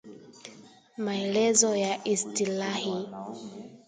Maelezo ya istilahi